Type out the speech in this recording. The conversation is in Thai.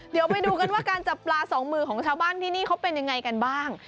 เดี๋ยวไปดูกันว่าการจับปลาสองมือของชาวบ้านที่นี่เขาเป็นยังไงกันบ้าง